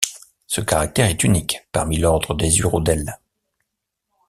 Ce caractère est unique parmi l'ordre des urodèles.